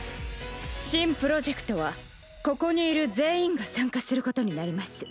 新プロジェクトはここにいる全員が参加することになります。